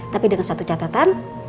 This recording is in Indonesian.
tapi dengan satu catatan